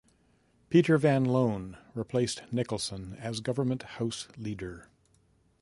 Peter Van Loan replaced Nicholson as Government House Leader.